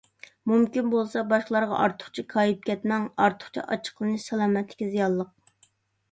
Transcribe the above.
مۇمكىن بولسا باشقىلارغا ئارتۇقچە كايىپ كەتمەڭ. ئارتۇقچە ئاچچىقلىنىش سالامەتلىككە زىيانلىق.